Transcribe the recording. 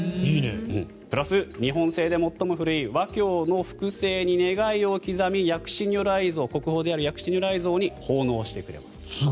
プラス、日本製で最も古い和鏡の複製に願いを刻み国宝の薬師如来像に奉納してくれます。